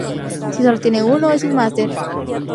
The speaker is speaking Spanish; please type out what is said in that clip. Si solo tiene uno, es un máster.